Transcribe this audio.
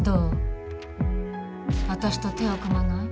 私と手を組まない？